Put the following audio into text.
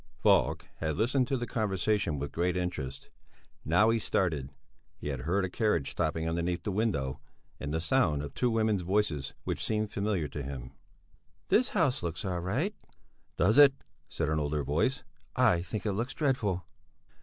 Falk had listened to the conversation with great interest. Now he started; he had heard a carriage stopping underneath the window, and the sound of two women's voices which seemed familiar to him. "This house looks all right." "Does it?" said an older voice. "I think it looks dreadful."